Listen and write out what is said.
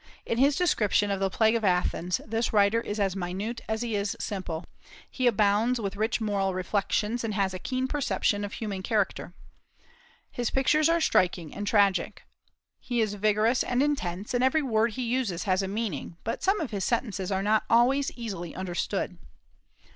In his description of the plague of Athens this writer is as minute as he is simple. He abounds with rich moral reflections, and has a keen perception of human character. His pictures are striking and tragic. He is vigorous and intense, and every word he uses has a meaning, but some of his sentences are not always easily understood.